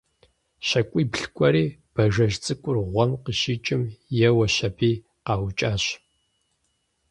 ЩакӀуибл кӀуэри, бажэжь цӀыкӀур гъуэм къыщикӀым еуэщ аби, къаукӀащ.